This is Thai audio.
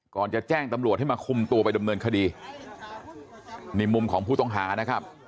จะแจ้งตำรวจให้มาคุมตัวไปดำเนินคดีนี่มุมของผู้ต้องหานะครับ